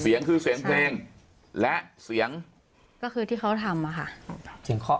เสียงคือเสียงเพลงและเสียงก็คือที่เขาทำอะค่ะเสียงเคาะ